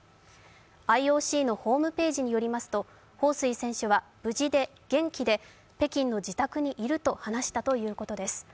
ＩＯＣのホームページによりますと、彭帥選手は無事で元気で北京の自宅にいると話したということです。